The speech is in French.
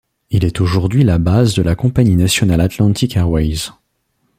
Il est aujourd'hui la base de la compagnie nationale Atlantic Airways.